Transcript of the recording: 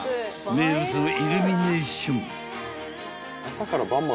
［名物のイルミネーション］